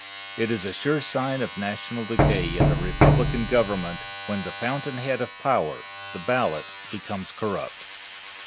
It is a sure sign of national decay in a republican government, when the fountain head of power, the ballot, becomes corrupt.